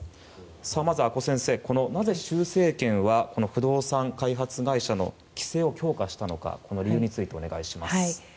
まず阿古先生、なぜ習政権は不動産開発会社の規制を強化したのかこの理由についてお願いします。